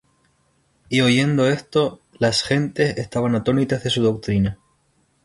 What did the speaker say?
Y oyendo esto las gentes, estaban atónitas de su doctrina.